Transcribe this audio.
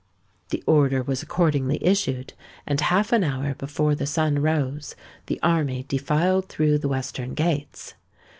The order was accordingly issued; and half an hour before the sun rose, the army defiled through the western gates.